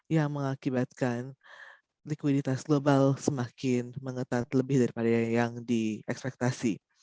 yang mengakibatkan likuiditas global semakin mengetat lebih daripada yang diekspektasi